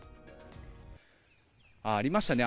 ありましたね。